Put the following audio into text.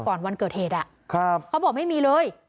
ก่อนวันเกิดเหตุน่ะเขาบอกไม่มีเลยครับ